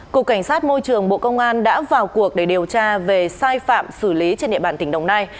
cục cảnh sát môi trường bộ công an đã vào cuộc để điều tra về sai phạm xử lý trên địa bàn tỉnh đồng nai